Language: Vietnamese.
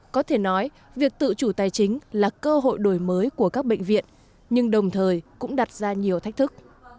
có thể nói việc tự chủ tài chính là cơ hội đổi mới của các bệnh viện nhưng đồng thời cũng đặt ra nhiều thách thức